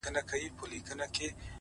ښه نوم په کلونو جوړیږي!